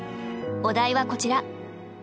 お題はこちら。